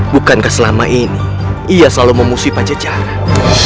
bukankah selama ini ia selalu memusuhi pencejaran